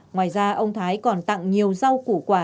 ngoài ra ông thái còn tặng nhiều rau củ quả